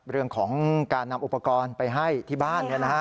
เรื่องของการนำอุปกรณ์ไปให้ที่บ้าน